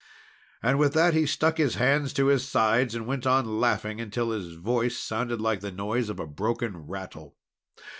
and with that he stuck his hands to his sides, and went on laughing until his voice sounded like the noise of a broken rattle.